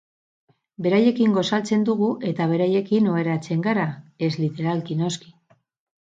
Beraiekin gosaltzen dugu eta beraiekin oheratzen gara, ez literalki, noski.